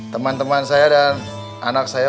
teman teman saya dan anak saya